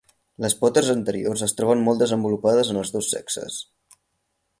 Les potes anteriors es troben molt desenvolupades en els dos sexes.